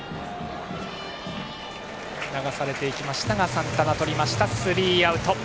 サンタナ、とってスリーアウト。